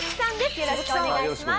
よろしくお願いします。